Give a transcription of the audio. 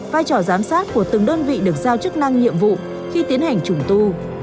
vai trò giám sát của từng đơn vị được giao chức năng nhiệm vụ khi tiến hành trùng tu